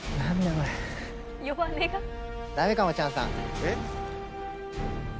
えっ？